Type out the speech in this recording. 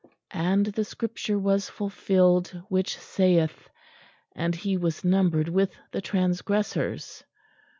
And the scripture was fulfilled which saith, And he was numbered with the transgressors.'"